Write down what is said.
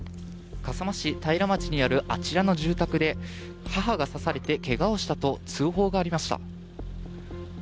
笠間市平町にあるあちらの住宅で母が刺されてけがをしたと通報がありました。